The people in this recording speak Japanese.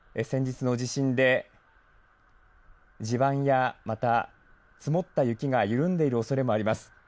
先日の地震で地盤や、また積もった雪が緩んでいるおそれもあります。